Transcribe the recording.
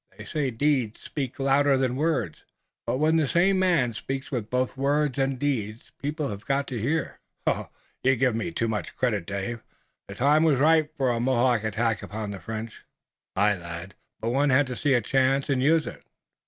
They say that deeds speak louder than words, but when the same man speaks with both words and deeds people have got to hear." "You give me too much credit, Dave. The time was ripe for a Mohawk attack upon the French." "Aye, lad, but one had to see a chance and use it.